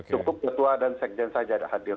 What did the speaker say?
cukup ketua dan sekjen saja hadir